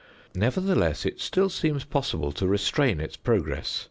Nevertheless, it still seems possible to restrain its progress.